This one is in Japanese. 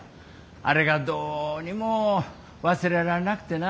あれがどうにも忘れられなくてな。